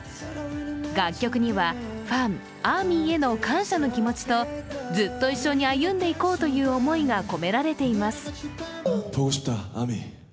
楽曲にはファン、ＡＲＭＹへの感謝の気持ちとずっと一緒に歩んでいこうという思いが込められています。